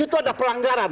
di situ ada pelanggaran